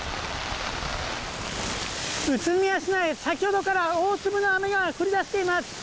宇都宮市内、先ほどから大粒の雨が降りだしています。